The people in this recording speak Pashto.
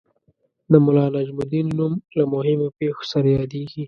د ملا نجم الدین نوم له مهمو پېښو سره یادیږي.